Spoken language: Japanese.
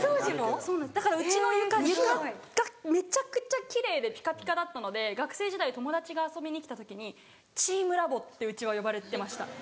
だからうちの床めちゃくちゃ奇麗でピカピカだったので学生時代友達が遊びに来た時に「チームラボ」ってうちは呼ばれてました。